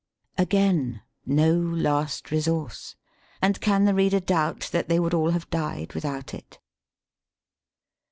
Again no last resource, and can the reader doubt that they would all have died without it